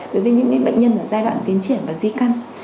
đối với những bệnh nhân ở giai đoạn tiến triển và di căn